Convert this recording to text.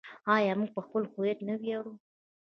آیا موږ په خپل هویت نه ویاړو؟